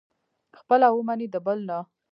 خپله ومني، د بل نه.